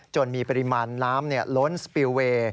มีปริมาณน้ำล้นสปิลเวย์